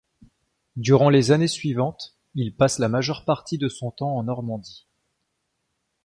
Durant les années suivantes, il passe la majeure partie de son temps en Normandie.